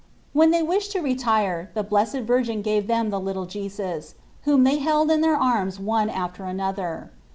When they wished to retire the Blessed Virgin gave them the little Jesus, whom they held in their arms one after another.